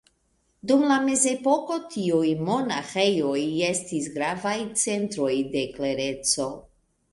Dum la mezepoko tiuj monaĥejoj estis gravaj centroj de klereco.